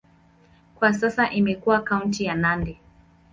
Kwa sasa imekuwa kaunti ya Nandi.